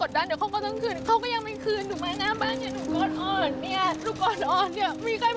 ตามหาลูกอยู่อย่างนี้